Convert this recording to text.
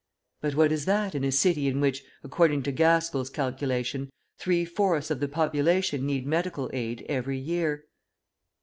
But what is that in a city in which, according to Gaskell's calculation, three fourths of the population need medical aid every year?